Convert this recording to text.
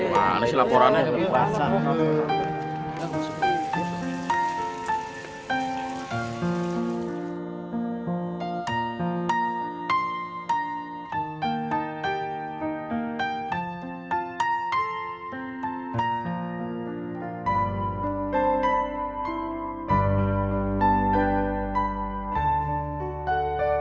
mana sih laporannya